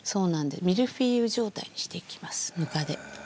ミルフィーユ状態にしていきますぬかで。